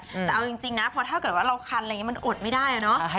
แต่เอาจริงนะเพราะถ้าเกิดว่าเราคันอะไรอย่างนี้มันอดไม่ได้อะเนาะ